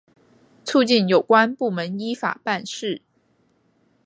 促进有关部门依法办事